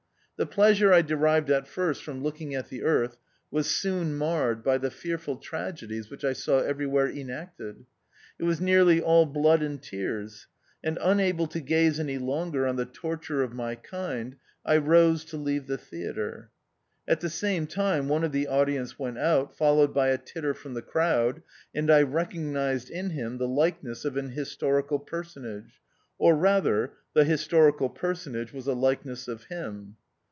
The pleasure I derived at first from look ing at the Earth was soon marred by the fearful tragedies which I saw everywhere enacted. It was nearly all blood and tears ; and unable to gaze any longer on the torture of my kind, I rose to leave the theatre. At the same time one of the audience went out, followed by a titter from the crowd, and I recognised in him the likeness of an his torical personage ; or rather, the historical personage was a likeness of him.